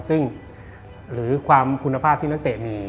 ซึ่งหรือความคุณภาพที่นักเตะมี